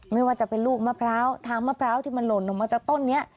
ไม่ว่าจะเป็นลูกมะพร้าวทางมะพร้าวที่มันหล่นออกมาจากต้นนี้